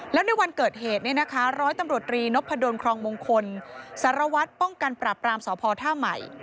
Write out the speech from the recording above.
แล้วในวันเกิดเหตุร้อยตำรวจนินตมภดลคลองมงคลสารวัฒน์ป้องกันปราบปรามสพท่าใหม่